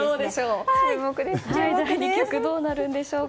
この対局どうなるんでしょうか。